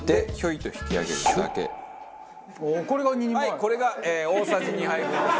これが大さじ２杯分です。